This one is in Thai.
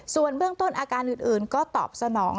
ส่วนเบื้องต้นอาการอื่นก็ตอบสนอง